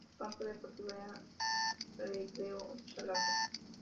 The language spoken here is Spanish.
Su campo deportivo era el Recreo Chalaco.